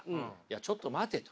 ちょっと待てと。